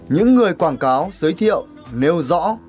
những người quảng cáo giới thiệu nêu rõ